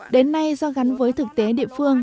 đến nay do gắn với thực tế địa phương